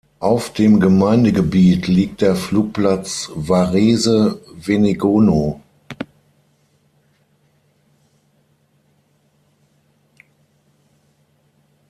Auf dem Gemeindegebiet liegt der Flugplatz Varese-Venegono.